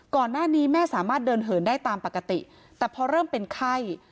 ก่อนหน้านี้แม่สามารถเดินเหินได้ตามปกติแต่พอเริ่มเป็นไข้